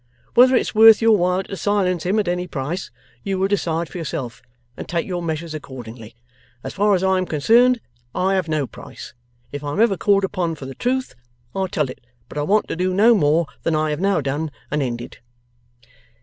Whether it's worth your while to silence him at any price, you will decide for yourself, and take your measures accordingly. As far as I am concerned, I have no price. If I am ever called upon for the truth, I tell it, but I want to do no more than I have now done and ended.